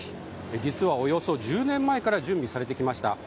実は、およそ１０年前から準備されてきました。